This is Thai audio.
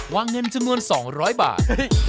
วางเงินจะเงินสองร้อยบาท